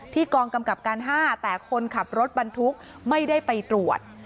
กองกำกับการ๕แต่คนขับรถบรรทุกไม่ได้ไปตรวจ